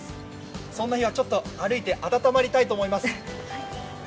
そんな日はちょっと歩いて温まりたいと思います。